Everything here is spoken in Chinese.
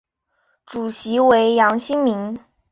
主席为杨新民。